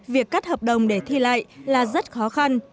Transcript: việc cắt hợp đồng để thi lại là rất khó khăn